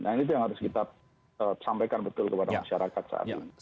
nah itu yang harus kita sampaikan betul kepada masyarakat saat ini